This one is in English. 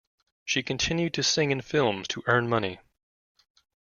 She continued to sing in films to earn money.